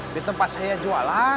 di tempat saya jualan